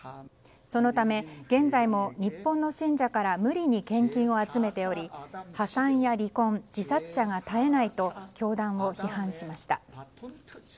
そのため、現在も日本の信者から無理に献金を集めており破産や離婚、自殺者が絶えないと教団を批判しました。